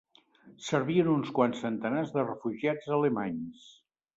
Servien uns quants centenars de refugiats alemanys